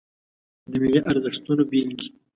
د ملي ارزښتونو بیلګې